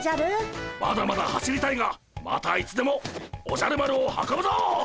まだまだ走りたいがまたいつでもおじゃる丸を運ぶぞ！